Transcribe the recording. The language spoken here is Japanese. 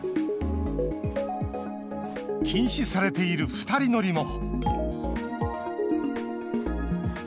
禁止されている２人乗りも。